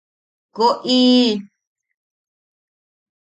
¡Woʼi!